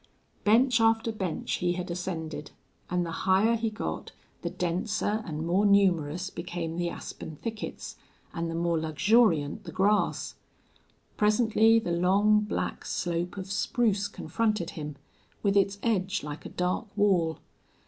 Bench after bench he had ascended, and the higher he got the denser and more numerous became the aspen thickets and the more luxuriant the grass. Presently the long black slope of spruce confronted him, with its edge like a dark wall.